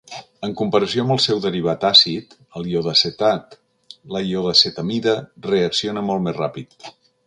En comparació amb el seu derivat àcid, el iodeacetat, la iodeacetamida reacciona molt més ràpid.